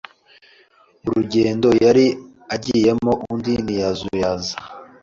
urugendo yari agiyemo, undi ntiyazuyaza.